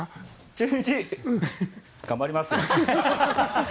中日頑張りますよ！